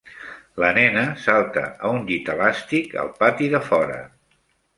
La nena salta a un llit elàstic al pati de fora